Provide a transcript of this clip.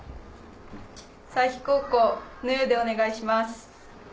佐伯高校「ぬ」でお願いします。